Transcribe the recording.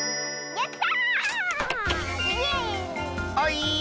やった！